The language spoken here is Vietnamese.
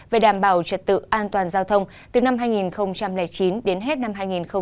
về đảm bảo trật tự an toàn giao thông từ năm hai nghìn chín đến hết năm hai nghìn hai mươi ba